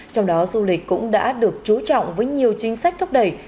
trong đó du lịch cũng đã được chú trọng với nhiều chính sách thúc đẩy